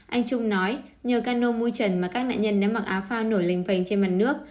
anh trung nói nhờ cano mui trần mà các nạn nhân đã mặc áo phao nổi lình phành trên mặt nước